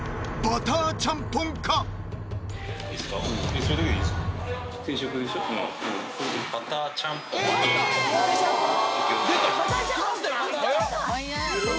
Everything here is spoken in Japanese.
バターちゃんぽん来た！